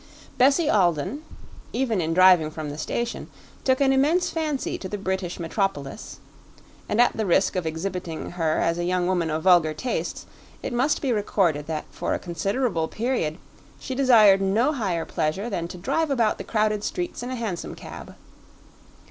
Bessie Alden, even in driving from the station, took an immense fancy to the British metropolis, and at the risk of exhibiting her as a young woman of vulgar tastes it must be recorded that for a considerable period she desired no higher pleasure than to drive about the crowded streets in a hansom cab.